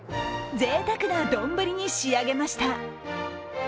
ぜいたくな丼に仕上げました。